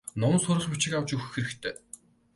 Ном сурах бичиг авч өгөх хэрэгтэй.